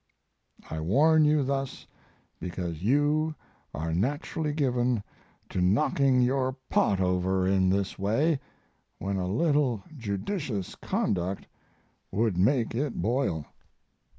I warn you thus because you are naturally given to knocking your pot over in this way, when a little judicious conduct would make it boil.